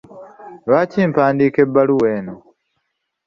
Lwaki mpandiika ebbaluwa eno?